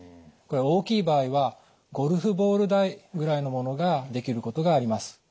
これ大きい場合はゴルフボール大ぐらいのものができることがあります。